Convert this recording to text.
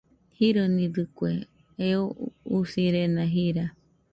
Jironidɨkue, eo usirena jira.